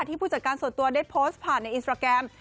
ผู้จัดการส่วนตัวได้โพสต์ผ่านในอินสตราแกรม